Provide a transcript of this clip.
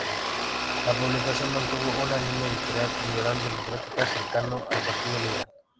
La publicación mantuvo una línea editorial liberal-democrática, cercano al Partido Liberal.